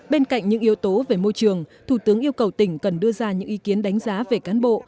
bên cạnh những yếu tố về môi trường thủ tướng yêu cầu tỉnh cần đưa ra những ý kiến đánh giá về cán bộ